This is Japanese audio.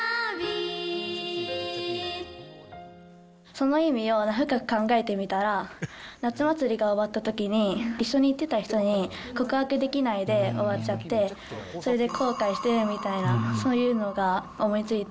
その意味を深く考えてみたら、夏祭りが終わったときに、一緒に行ってた人に告白できないで終わっちゃって、それで後悔してるみたいな、そういうのが思いついて。